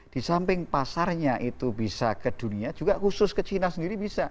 di samping pasarnya itu bisa ke dunia juga khusus ke china sendiri bisa